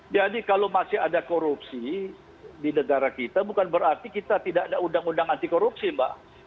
jadi kalau masih ada korupsi di negara kita bukan berarti kita tidak ada undang undang anti korupsi mbak